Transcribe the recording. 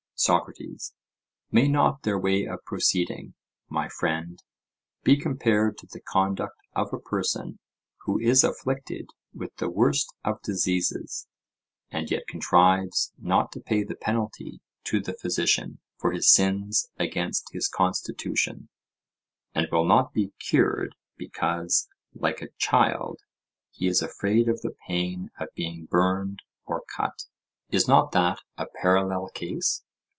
SOCRATES: May not their way of proceeding, my friend, be compared to the conduct of a person who is afflicted with the worst of diseases and yet contrives not to pay the penalty to the physician for his sins against his constitution, and will not be cured, because, like a child, he is afraid of the pain of being burned or cut:—Is not that a parallel case?